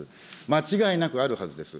間違いなくあるはずです。